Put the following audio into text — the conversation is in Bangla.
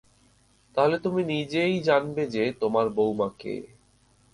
তাহলে তুমি নিজেই জানবে যে, তোমার বউমা কে।